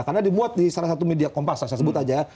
karena dibuat di salah satu media kompas saya sebut aja